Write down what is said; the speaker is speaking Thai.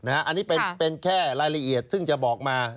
อันนี้เป็นแค่รายละเอียดซึ่งจะบอกมา